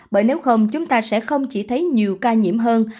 bởi nếu không chúng ta sẽ không chỉ thấy nhiều ca nhiễm hơn